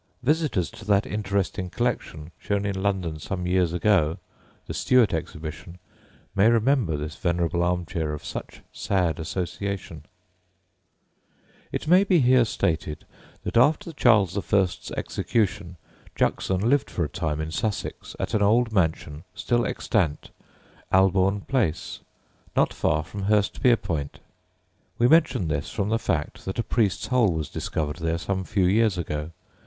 Visitors to that interesting collection shown in London some years ago the Stuart Exhibition may remember this venerable armchair of such sad association. [Illustration: CHASTLETON] [Illustration: ENTRANCE DOOR, CHASTLETON] It may be here stated that after Charles I.'s execution, Juxon lived for a time in Sussex at an old mansion still extant, Albourne Place, not far from Hurstpierpoint. We mention this from the fact that a priest's hole was discovered there some few years ago.